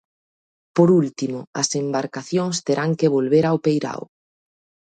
Por último, as embarcacións terán que volver ao peirao.